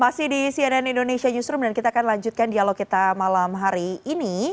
masih di cnn indonesia newsroom dan kita akan lanjutkan dialog kita malam hari ini